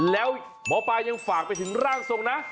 แล้วหมอปลายังฝากไปถึงร่างทรงนะ